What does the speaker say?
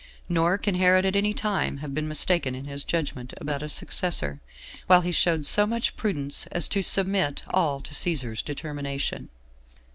Nor can Herod at any time have been mistaken in his judgment about a successor, while he showed so much prudence as to submit all to Cæsar's determination."